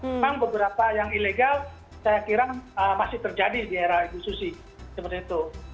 memang beberapa yang ilegal saya kira masih terjadi di era ibu susi seperti itu